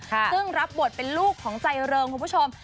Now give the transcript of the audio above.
ซึ่งรับบทเป็นลูกของใจเริงคุณผู้ชม